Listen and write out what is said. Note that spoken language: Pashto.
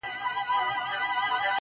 ژوند چي د سندرو سکه ورو دی لمبې کوې~